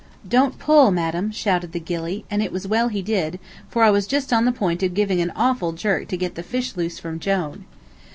"Don't pull, madam," shouted the gilly, and it was well he did, for I was just on the point of giving an awful jerk to get the fish loose from Jone.